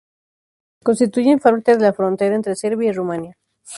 Constituyen parte de la frontera entre Serbia y Rumania.